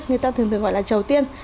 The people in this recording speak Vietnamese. người ta thường thường gọi là trầu tiên